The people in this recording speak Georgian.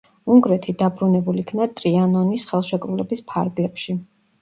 უნგრეთი დაბრუნებულ იქნა ტრიანონის ხელშეკრულების ფარგლებში.